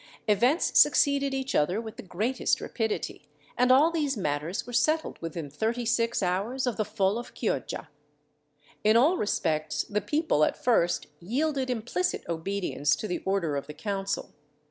Events succeeded each other with the greatest rapidity, and all these matters were settled within thirty six hours of the fall of Chioggia. In all respects the people, at first, yielded implicit obedience to the order of the council.